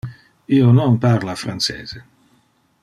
Io non parla francese.